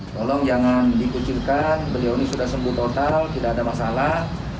tolong jangan dikucilkan beliau ini sudah sembuh total tidak ada masalah